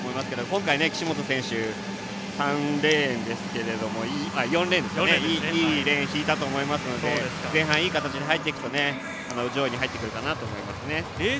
今回岸本選手は４レーンでいいレーンを引いたと思いますので前半、いい形で入っていくと上位に入ってくると思います。